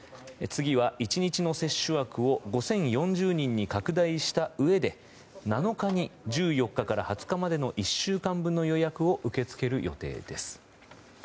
次は１日の接種枠を５０４０人に拡大したうえで７日に１４日から２０日までの１週間分の予約を受け付ける予定です。